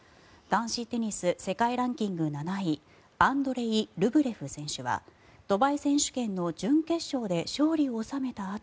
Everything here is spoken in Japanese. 男子テニス世界ランキング７位アンドレイ・ルブレフ選手はドバイ選手権の準決勝で勝利を収めた